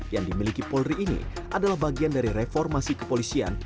yang dimiliki polri ini adalah bagian dari reformasi kepolisian